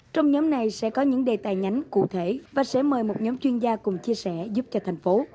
trong nhóm này sẽ có những đề tài nhánh cụ thể và sẽ mời một nhóm chuyên gia cùng chia sẻ giúp cho thành phố